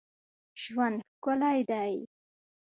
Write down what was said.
ژوند ښکلی دئ.